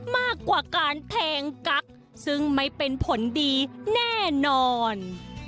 มากกว่าการแทงกั๊กซึ่งไม่เป็นผลดีแน่นอน